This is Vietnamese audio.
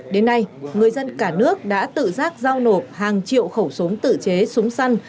đến nay người dân cả nước đã tự giác giao nộp hàng triệu khẩu súng tự chế súng săn